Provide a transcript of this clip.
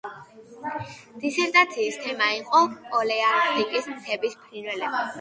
დისერტაციის თემა იყო „პალეარქტიკის მთების ფრინველები“.